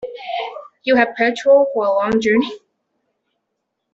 You have petrol for a long journey?